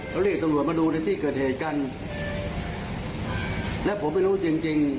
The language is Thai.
ก็เรียกตหาวัทย์มาดูในที่เกิดเหตุกันแล้วผมไม่รู้จริง